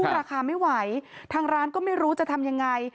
ราคาไม่ไหวทางร้านก็ไม่รู้จะทำยังไง